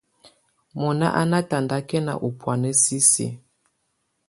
Mɔna á nà tataŋkɛna ɔ̀ bɔ̀ána sisi.